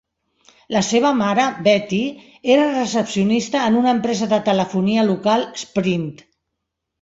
La seva mare, Betty, era recepcionista en una empresa de telefonia local, Sprint.